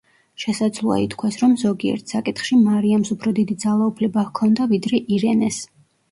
შესაძლოა ითქვას, რომ ზოგიერთ საკითხში მარიამს უფრო დიდი ძალაუფლება ჰქონდა ვიდრე ირენეს.